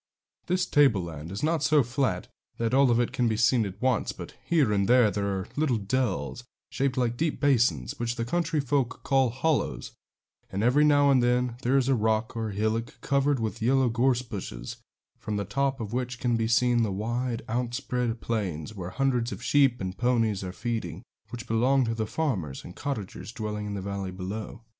This tableland is not so flat that all of it can be seen at once, but here and there are little dells, shaped like deep basins, which the country folk call hollows; and every now and then there is a rock or hillock covered with yellow gorse bushes, from the top of which can be seen the wide, outspread plains, where hundreds of sheep and ponies are feeding, which belong to the farmers and cottagers dwelling in the valley below.